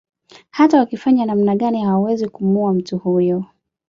Hata wakifanya namna gani hawawezi kumuua mtu huyo